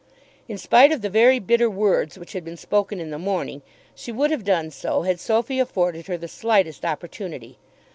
In spite of the very bitter words which had been spoken in the morning she would have done so had Sophy afforded her the slightest opportunity.